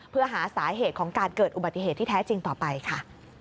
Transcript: เพื่อหาสาเหตุของการเกิดอุบัติเหตุที่แท้จริงต่อไปค่ะ